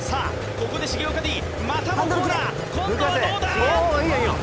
ここで重岡Ｄまたもコーナー今度はどうだ？